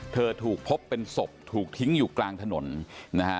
ถูกพบเป็นศพถูกทิ้งอยู่กลางถนนนะฮะ